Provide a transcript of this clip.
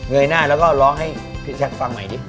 เงยหน้าแล้วก็ร้องให้พี่ชักฟังใหม่ดิ